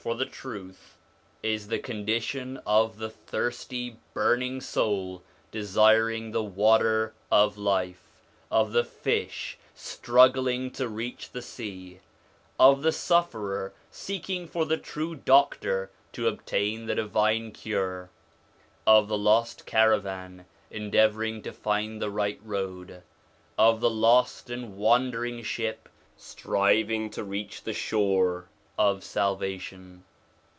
'Miracles, 'page 115. 46 SOME ANSWERED QUESTIONS for the truth is the condition of the thirsty burning soul desiring the water of life, of the fish struggl ing to reach the sea, of the sufferer seeking for the true doctor to obtain the divine cure, of the lost caravan endeavouring to find the right road, of the lost and wandering ship striving to reach the shore of salvation.